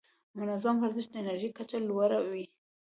منظم ورزش د انرژۍ کچه لوړه وي.